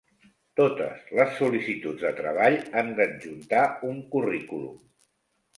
Totes les sol·licituds de treball han d'adjuntar un currículum.